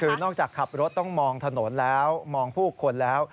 คือนอกจากขับรถต้องมองถนนแล้วมองผู้คนแล้ว